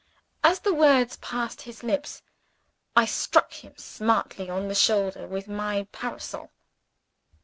As the words passed his lips, I struck him smartly on the shoulder with my parasol.